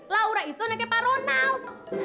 laura itu naiknya pak ronald